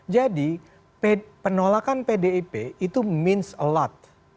jadi penolakan pdip itu berarti banyak